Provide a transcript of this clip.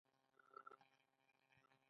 ویرې ته باید نوم ورکړل شي.